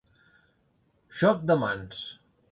Joc de mans.